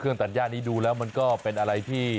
ตัดย่านี้ดูแล้วมันก็เป็นอะไรที่